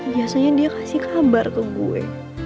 biasanya dia kasih kabar ke gue